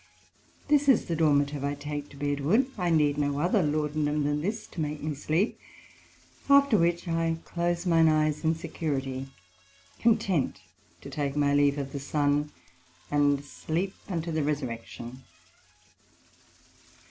This is the Dormative I take to bedward; I need no other Laudanum than this to make me sleep; after which, I close mine eyes in security, content to take my leave of the Sun, and sleep unto the resurrection.